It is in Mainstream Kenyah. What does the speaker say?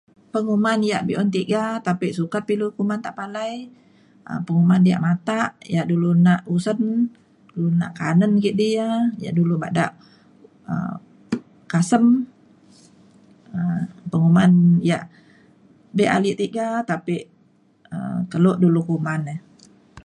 Penguman ia’ be’un tiga tapi sukat pa ilu kuman tepalai um penguman ia’ matak ia’ dulu nak usen lu nak kanen kidi ia’ ia’ dulu bada um kasem um penguman ia’ be ale tiga tapi um kelo dulu kuman ne.